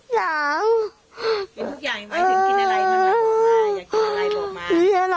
จะกินอะไรกันล่ะ